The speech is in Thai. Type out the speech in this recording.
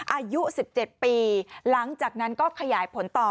อายุ๑๗ปีหลังจากนั้นก็ขยายผลต่อ